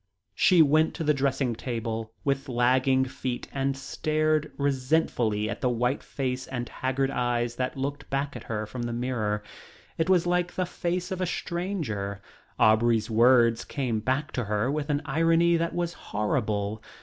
She went to the dressing table with lagging feet and stared resentfully at the white face and haggard eyes that looked back at her from the mirror. It was like the face of a stranger. Aubrey's words came back to her with an irony that was horrible.